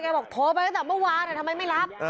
ยายบอกโทรไปกันแต่เมื่อไปนี้ทำไมไม่รับ